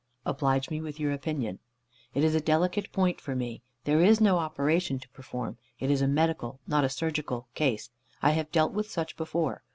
"Oblige me with your opinion." "It is a delicate point for me. There is no operation to perform. It is a medical, not a surgical case. I have dealt with such before.